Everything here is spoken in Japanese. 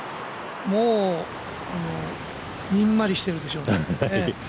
もうにんまりしているでしょう。